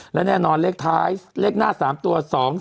และแน่นอนเลขท้ายเลขหน้า๓ตัว๒๔